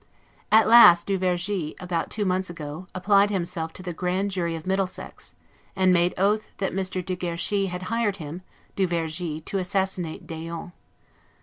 At last du Vergy, about two months ago, applied himself to the Grand Jury of Middlesex, and made oath that Mr. de Guerchy had hired him (du Vergy) to assassinate d'Eon.